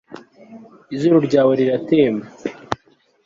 izuru ryawe riratemba